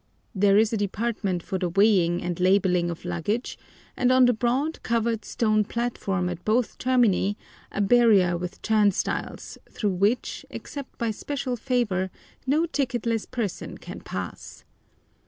There is a department for the weighing and labelling of luggage, and on the broad, covered, stone platform at both termini a barrier with turnstiles, through which, except by special favour, no ticketless person can pass.